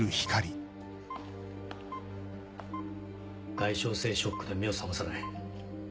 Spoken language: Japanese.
外傷性ショックで目を覚まさない。